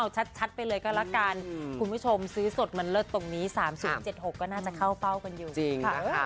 ชัดไปเลยก็ละกันคุณผู้ชมซื้อสดมันเลิศตรงนี้๓๐๗๖ก็น่าจะเข้าเฝ้ากันอยู่ค่ะ